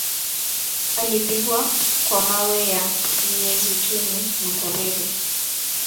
Alipigwa kwa mawe ya mizeituni na tarehe